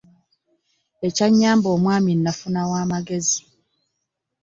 Ekyannyamba omwami nafuna wa magezi.